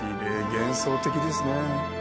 幻想的ですね。